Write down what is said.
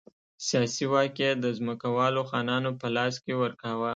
سیاسي واک یې د ځمکوالو خانانو په لاس کې ورکاوه.